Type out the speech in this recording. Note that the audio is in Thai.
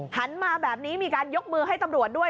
หันมาแบบนี้มีการยกมือให้ตำรวจด้วย